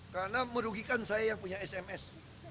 karena merugikan saya yang punya sms